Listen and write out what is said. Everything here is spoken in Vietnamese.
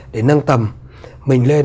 để nâng tầm mình lên